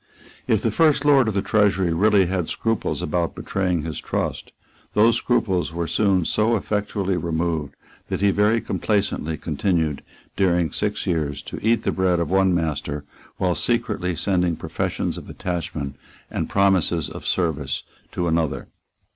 If the First Lord of the Treasury really had scruples about betraying his trust, those scruples were soon so effectually removed that he very complacently continued, during six years, to eat the bread of one master, while secretly sending professions of attachment and promises of service to another.